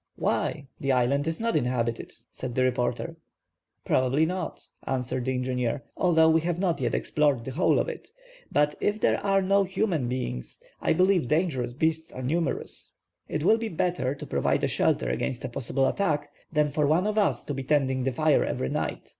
"Why? The island is not inhabited," said the reporter. "Probably not," answered the engineer, "although we have not yet explored the whole of it; but if there are no human beings, I believe dangerous beasts are numerous. So it will be better to provide a shelter against a possible attack, than for one of us to be tending the fire every night.